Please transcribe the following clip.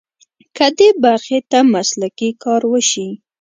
که دې برخې ته مسلکي کار وشي.